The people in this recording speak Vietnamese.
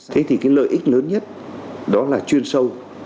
thế thì cái lợi ích lớn nhất đó là chuyên sâu